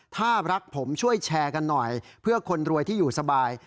ถ้ารักผมช่วยแชร์กันหน่อยเพื่อคนรวยที่อยู่สบาย